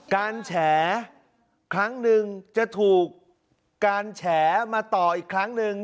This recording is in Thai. แฉครั้งหนึ่งจะถูกการแฉมาต่ออีกครั้งหนึ่ง